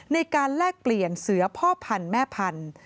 แลกเปลี่ยนเสือพ่อพันธุ์แม่พันธุ์